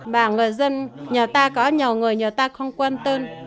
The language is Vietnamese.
bạn người dân nhà ta có nhiều người nhà ta không quan tâm